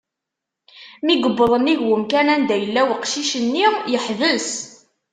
Mi yewweḍ nnig umkan anda yella uqcic-nni, iḥbes.